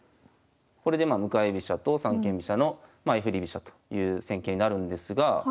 これでまあ向かい飛車と三間飛車の相振り飛車という戦型になるんですが。